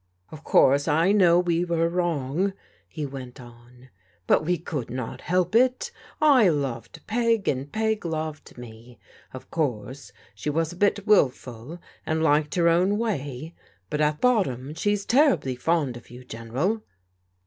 Of course, I know we were wrong/' he went on, but we could not help it. I loved Peg and Peg loved me. Of course she was a bit wilful and liked her own way, but at bottom she's terribly fond of you, General."